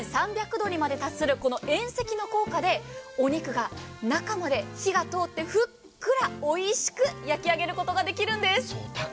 １３００度にまで達する遠赤の効果でお肉が中まで火が通って、ふっくらおいしく焼き上げることができるんです。